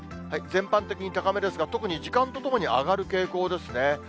全般的に高めですが、特に時間とともに上がる傾向ですね。